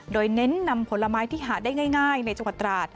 โดยเน้นนำผลไม้ที่หาได้ง่ายในจังหวัดตราด